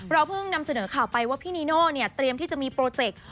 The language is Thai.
เพิ่งนำเสนอข่าวไปว่าพี่นีโน่เนี่ยเตรียมที่จะมีโปรเจกต์